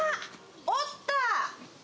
折った！